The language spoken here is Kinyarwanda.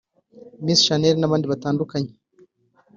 Miss Shanel n’abandi batandukanye